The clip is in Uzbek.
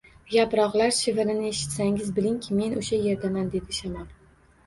Yaproqlar shivirini eshitsangiz, bilingki, men oʻsha yerdaman, dedi Shamol